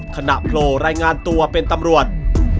โผล่รายงานตัวเป็นตำรวจ